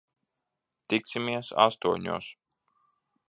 Tiksimies astoņos.